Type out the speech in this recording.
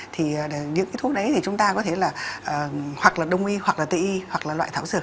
thì những cái thuốc đấy thì chúng ta có thể là hoặc là đông y hoặc là t i hoặc là loại tháo dược